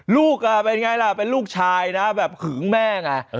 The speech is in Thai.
ลูกเป็นไงล่ะเป็นลูกชายนะแบบหึงแม่ไง